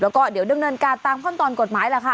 แล้วก็เดี๋ยวดำเนินการตามขั้นตอนกฎหมายแหละค่ะ